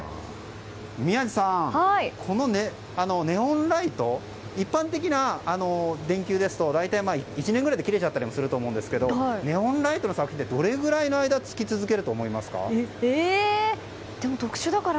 宮司さん、ネオンライトって一般的な電球ですと大体１年くらいで切れちゃったりもすると思うんですけどネオンライトってどれぐらいでも特殊だから。